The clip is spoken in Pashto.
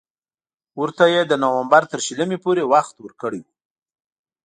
ورته یې د نومبر تر شلمې پورې وخت ورکړی وو.